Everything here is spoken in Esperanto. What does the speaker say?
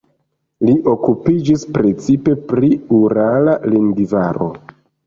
Li okupiĝis precipe pri urala lingvaro.